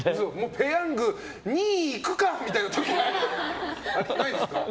ぺヤング、２いくかみたいな時ないですか。